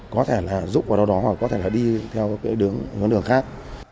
có thể là giúp vào đó đó hoặc có thể là đi theo cái đường hướng đường khác